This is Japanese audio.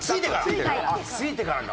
ついてから？